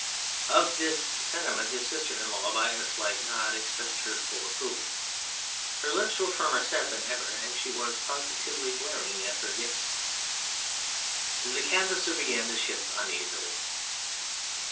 Of this sentiment his sister in law, by a slight nod, expressed her full approval. Her lips were firmer set than ever, and she was positively glaring at her guest. The Canvasser began to shift uneasily.